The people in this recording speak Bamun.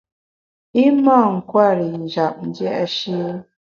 I mâ nkwer i njap dia’shi.